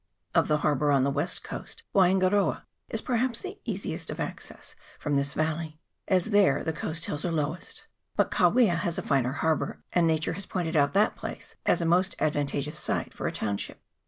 Of the harbour on the west coast PWaingaroa is perhaps the easiest of access from this 334 WAIPA RIVER. [PART n. valley, as there the coast hills are lowest ; but Kawia has a finer harbour, and Nature has pointed out that place as a most advantageous site for a township.